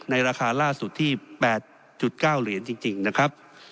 ราคาล่าสุดที่๘๙เหรียญจริงนะครับ